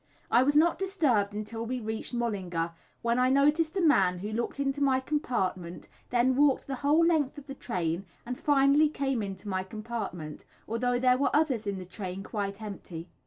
I was not disturbed until we reached Mullingar, when I noticed a man who looked into my compartment, then walked the whole length of the train, and finally came into my compartment, although there were others in the train quite empty.